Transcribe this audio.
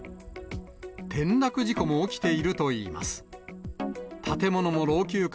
転落事故も起きているといいます。